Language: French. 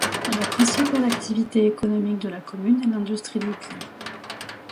La principale activité économique de la commune est l'industrie du cuir.